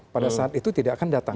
pada saat itu tidak akan datang